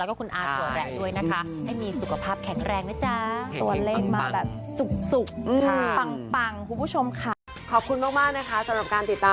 แล้วก็คุณอ่าตัวแหละด้วยนะคะ